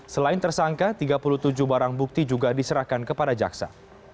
selain tersangka tiga puluh tujuh barang bukti juga diserahkan kepada jaksa